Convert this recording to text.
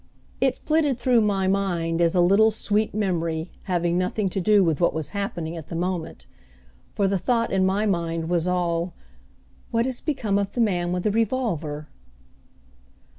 It flitted through my mind as a little, sweet memory, having nothing to do with what was happening at the moment, for the thought in my mind was all, "What has become of the man with the revolver?"